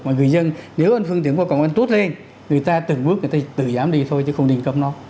mà người dân nếu anh phương tiện cầu cống anh tốt lên người ta từng bước người ta tự dám đi thôi chứ không định cấm nó